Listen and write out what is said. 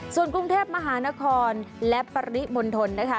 ส่วนกรุงเทพมหานครและปริมณฑลนะคะ